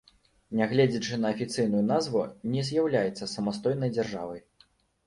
Нягледзячы на афіцыйную назву, не з'яўляецца самастойнай дзяржавай.